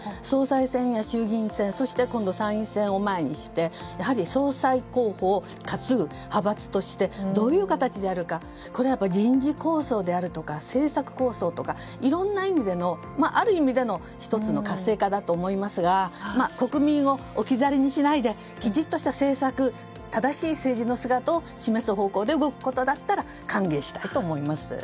総裁選や衆議院選そして今度の参院選を前にしてやはり総裁候補を担ぐ派閥としてどういう形であるか人事抗争であるとか政策抗争とかいろんな意味でのある意味での１つの活性化だと思いますが国民を置き去りにしないできちんとした姿勢で正しい政治の姿を示す方向で動くことだったら歓迎したいと思います。